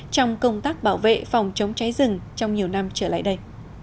trong công tác bảo vệ phòng chống cháy rừng trong nhiều năm trở lại đây